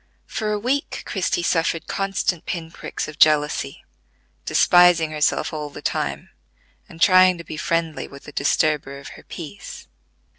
For a week Christie suffered constant pin pricks of jealousy, despising herself all the time, and trying to be friendly with the disturber of her peace.